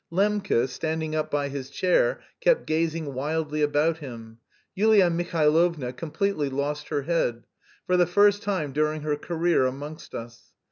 Lembke, standing up by his chair, kept gazing wildly about him. Yulia Mihailovna completely lost her head for the first time during her career amongst us.